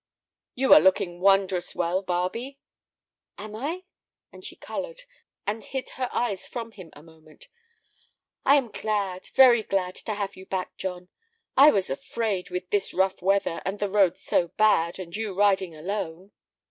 "You are looking wondrous well, Barbe!" "Am I?" And she colored, and hid her eyes from him a moment. "I am glad, very glad, to have you back, John. I was afraid, with this rough weather, and the roads so bad, and you riding alone."